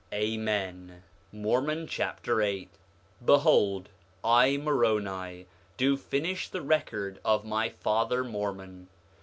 Amen. Mormon Chapter 8 8:1 Behold I, Moroni, do finish the record of my father, Mormon.